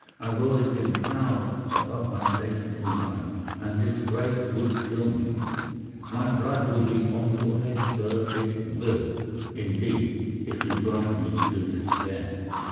I've always been proud above my station in life, and disgrace would kill me. My blood will be on your head, sir—it will, indeed—if you drive me to despair.